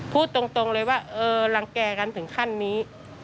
พูดตรงเลยว่าเออรังแก่กันถึงขั้นนี้